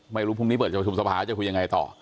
ไม่รู้พรุ่งนี้เปิดจะประชุมสภาจะคุยยังไงต่อ